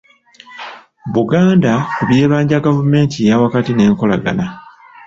Buganda ku by'ebbanja Gavumenti eyaawakati n'enkolagana